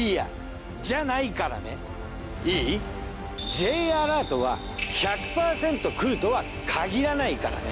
Ｊアラートは１００％来るとは限らないからね。